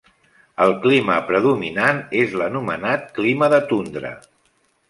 El clima predominant és l'anomenat clima de tundra.